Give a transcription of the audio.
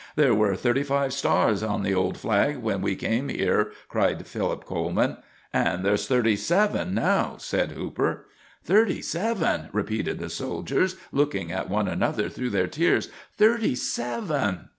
"There were thirty five stars on the old flag when we came here," cried Lieutenant Coleman. "And there's thirty seven now," said Hooper. "Thirty seven!" repeated the soldiers, looking at one another through their tears. "Thirty seven!"